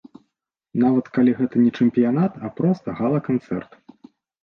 Нават калі гэта не чэмпіянат, а проста гала-канцэрт.